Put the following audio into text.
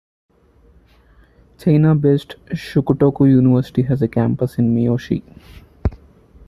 Chiba-based Shukutoku University has a campus in Miyoshi.